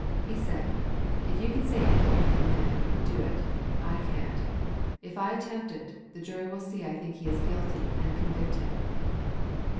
He said: "If you can say anything for the man, do it, I can't; if I attempt it, the jury will see I think he is guilty, and convict him."